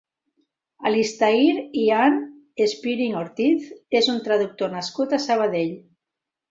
Alistair Ian Spearing Ortiz és un traductor nascut a Sabadell.